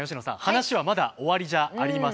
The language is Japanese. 話はまだ終わりじゃありません。